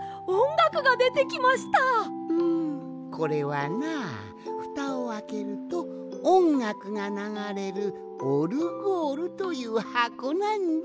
んこれはなふたをあけるとおんがくがながれるオルゴールというはこなんじゃ。